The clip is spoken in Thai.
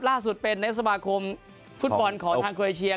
ล่าสุดเป็นในสมาคมฟุตบอลของทางโครเอเชีย